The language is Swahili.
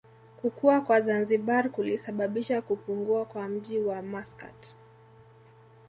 Kukua kwa Zanzibar kulisababisha kupungua kwa mji wa Maskat